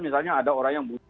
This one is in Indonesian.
misalnya ada orang yang